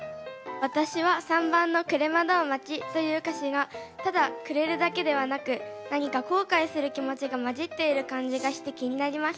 私は３番の「暮れ惑う街」という歌詞がただ暮れるだけではなく何か後悔する気持ちがまじっている感じがして気になりました。